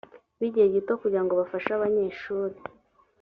b igihe gito kugira ngo bafashe abanyeshuri